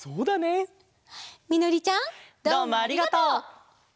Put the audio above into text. どうもありがとう！